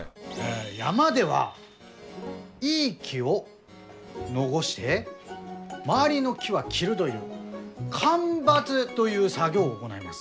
山ではいい木を残して周りの木は切るどいう間伐どいう作業を行います。